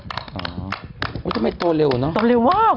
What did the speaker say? ทำไมโตเร็วเนอะโตเร็วมาก